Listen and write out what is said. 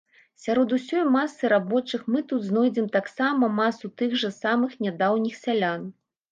Сярод усёй масы рабочых мы тут знойдзем таксама масу тых жа самых нядаўніх сялян.